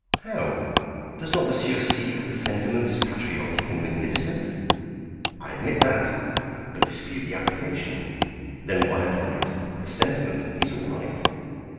"How? Does not monsieur see that the sentiment is patriotic and magnificent?" "I admit that, but dispute the application." "Then why apply it? The sentiment is all right."